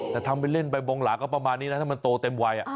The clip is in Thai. แต่ทำไปเล่นไปบองหลาก็ประมาณนี้นะถ้ามันโตเต็มวัย